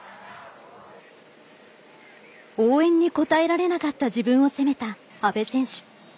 応援に応えられなかった自分を責めた阿部選手。